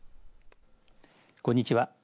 こんにちは。